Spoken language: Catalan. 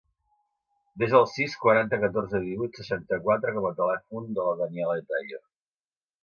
Desa el sis, quaranta, catorze, divuit, seixanta-quatre com a telèfon de la Daniela Etayo.